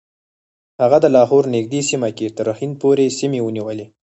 هغه د لاهور نږدې سیمه کې تر هند پورې سیمې ونیولې.